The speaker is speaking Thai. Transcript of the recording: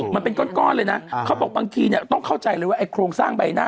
มันเป็นก้อนเลยนะ